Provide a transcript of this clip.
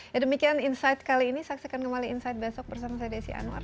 ya demikian insight kali ini saksikan kembali insight besok bersama saya desi anwar